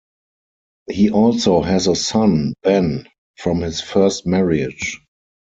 He also has a son, Ben, from his first marriage.